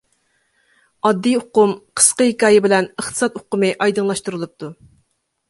ئاددىي ئۇقۇم قىسقا ھېكايە بىلەن ئىقتىساد ئۇقۇمى ئايدىڭلاشتۇرۇلۇپتۇ.